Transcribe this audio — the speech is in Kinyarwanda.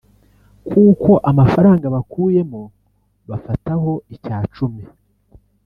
kuko amafaranga bakuyemo bafataho icya cumi